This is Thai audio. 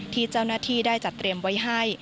ที่เจ้าหน้าที่ได้จัดเตรียมไว้ให้